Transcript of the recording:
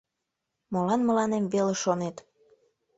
— Молан мыланем веле, шонет?